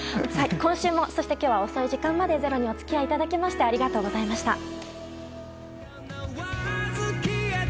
今週も、そして今日は遅い時間まで「ｚｅｒｏ」にお付き合いいただきありがとうございました。